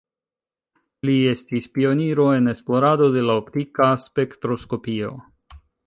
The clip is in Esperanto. Li estis pioniro en esplorado de la optika spektroskopio.